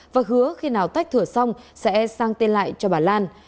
và hứa khi nào tách thửa xong sẽ sang tên lại cho bà lan